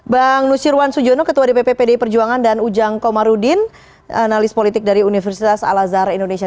bang nusyirwan sujono ketua dpp pdi perjuangan dan ujang komarudin analis politik dari universitas al azhar indonesia